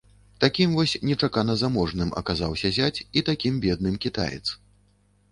Такім вось нечакана заможным аказаўся зяць і такім бедным кітаец.